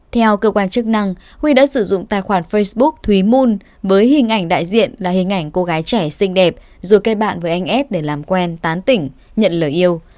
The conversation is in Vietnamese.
theo cơ quan chức năng huy đã sử dụng tài khoản facebook thúy moon với hình ảnh đại diện là hình ảnh cô gái trẻ xinh đẹp rồi kết bạn với anh s để làm quen tán tỉnh nhận lời yêu